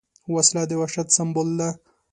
وسله د وحشت سمبول ده